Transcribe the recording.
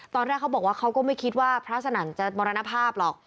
ตอนแรกเขาบอกว่าเขาก็ไม่คิดว่าพระสนั่นจะมรณภาพหรอก